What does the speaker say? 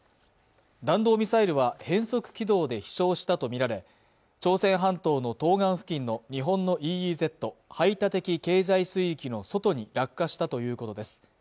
弾道ミサイルは変則軌道で飛翔したと見られ朝鮮半島の東岸付近の日本のＥＥＺ＝排他的経済水域の外に落下したということです